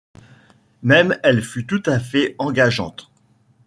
Même elle fut tout à fait engageante.